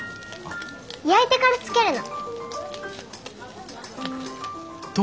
焼いてからつけるの。